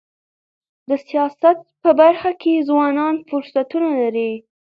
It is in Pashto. د سیاست په برخه کي ځوانان فرصتونه لري.